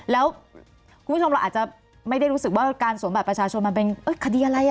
แล้วคุณผู้ชมเราอาจจะไม่ได้รู้สึกว่าการสวมบัตรประชาชนมันเป็นคดีอะไร